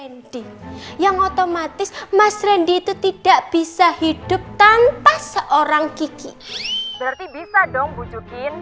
randy yang otomatis mas randy itu tidak bisa hidup tanpa seorang kiki berarti bisa dong bujukin